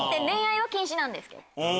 恋愛は禁止なんですけど。